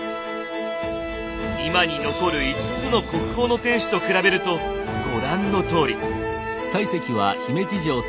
今に残る５つの国宝の天守と比べるとご覧のとおり。